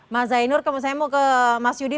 mas zainur saya mau ke mas yudi